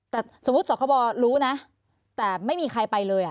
แต่สมมุติสคบรู้นะแต่ไม่มีใครไปเลย